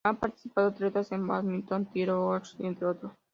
Han participado atletas en bádminton, tiro, bowls, entre otros.